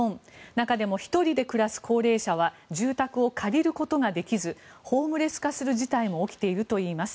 中でも１人で暮らす高齢者は住宅を借りることができずホームレス化する事態も起きているといいます。